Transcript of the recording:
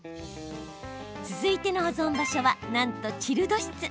続いての保存場所はなんとチルド室。